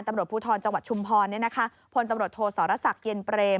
ตำรวจภูทรจังหวัดชุมพรนี่นะคะพลตำรวจโทษศรศักดิ์เย็นเปรม